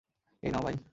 এই নাও, ভাই।